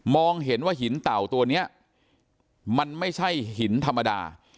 เห็นว่าหินเต่าตัวนี้มันไม่ใช่หินธรรมดา